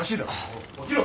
おい起きろ！